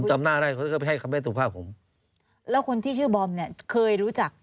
จำหน้าได้เขาก็ไปให้คำได้สุขภาพผมแล้วคนที่ชื่อบอมเนี่ยเคยรู้จัก